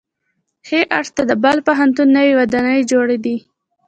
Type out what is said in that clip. ښي اړخ ته د بلخ پوهنتون نوې ودانۍ جوړې دي.